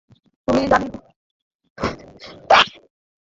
তুই যাবি না, যতক্ষণ দুটো জিনিস মনে রাখবি।